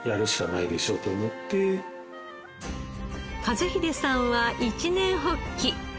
和秀さんは一念発起。